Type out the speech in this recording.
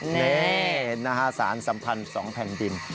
แน่น่ะฮะสารสัมพันธ์สองแผ่นดิน